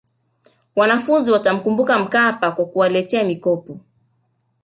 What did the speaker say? wanafunzi watamkumbuka mkapa kwa kuwaletea mikopo